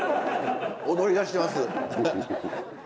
踊りだしてます。